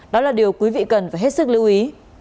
đó là điều quý vị cần phải hết sức lưu ý